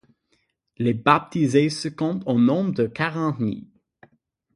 Les baptisés se comptent au nombre de quarante mille.